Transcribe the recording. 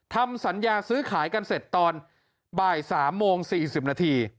ทำสัญญาซื้อขายกันเสร็จตอนบ่าย๓โมง๔๐นาที